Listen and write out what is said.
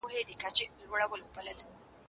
دا پلان له هغه ګټور دی؟!